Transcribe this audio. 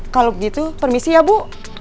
kalau begitu permisi ya bu